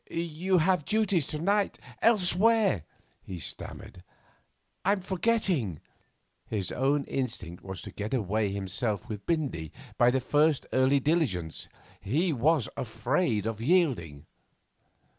'You have duties to night elsewhere,' he stammered. 'I'm forgetting.' His own instinct was to get away himself with Bindy by the first early diligence. He was afraid of yielding.